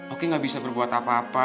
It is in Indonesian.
oke gak bisa berbuat apa apa